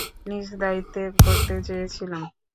নিজ দায়িত্বে করতে চেয়েছিলাম।